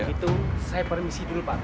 itu adalah dokter apa skd